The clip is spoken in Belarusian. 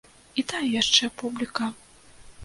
І тая яшчэ публіка.